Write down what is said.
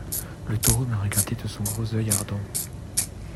Le Taureau me regardait de son gros œil ardent.